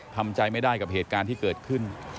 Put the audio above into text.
ทำใจไม่ได้กับเหตุการณ์ที่เกิดขึ้น